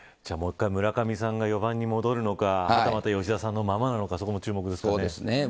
じゃあ、もう１回村上さんが４番に戻るのかまた吉田さんのままなのかそこも注目ですね。